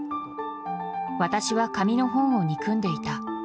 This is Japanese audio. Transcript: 私は紙の本を憎んでいた。